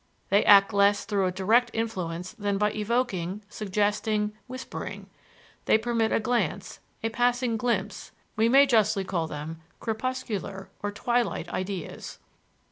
They act less through a direct influence than by evoking, suggesting, whispering; they permit a glance, a passing glimpse: we may justly call them crepuscular or twilight ideas.